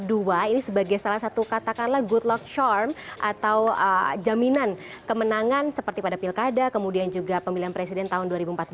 ini sebagai salah satu katakanlah good lock shorm atau jaminan kemenangan seperti pada pilkada kemudian juga pemilihan presiden tahun dua ribu empat belas